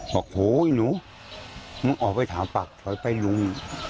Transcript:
บอกโหหนูมึงออกไปถามปากถอยไปลุง